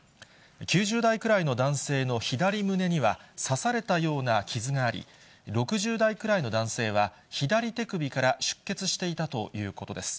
９０代くらいの男性の左胸には刺されたような傷があり、６０代くらいの男性は左手首から出血していたということです。